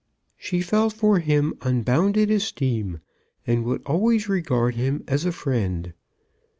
"She felt for him unbounded esteem, and would always regard him as a friend."